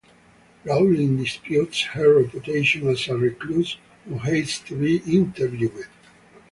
Rowling disputes her reputation as a recluse who hates to be interviewed.